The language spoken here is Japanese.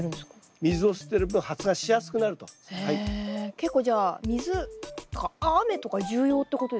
結構じゃあ水雨とか重要ってことですか？